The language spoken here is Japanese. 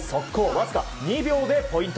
わずか２秒でポイント。